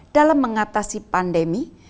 dalam mengatasi pandemi